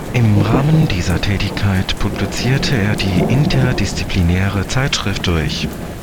Im Rahmen dieser Tätigkeit publizierte er die interdisziplinäre Zeitschrift "Durch".